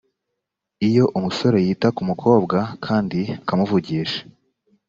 iyo umusore yita ku mukobwa kandi akamuvugisha